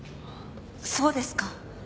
そうですか。